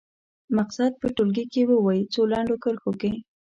مقصد په ټولګي کې ووايي څو لنډو کرښو کې.